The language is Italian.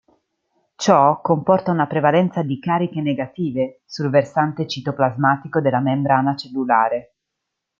Ciò comporta una prevalenza di cariche negative sul versante citoplasmatico della membrana cellulare.